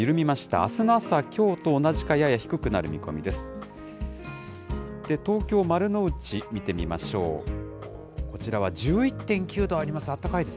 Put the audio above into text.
あすの朝、きょうと同じか、やや低くなる見込みです。